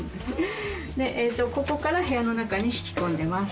ここから部屋の中に引き込んでます。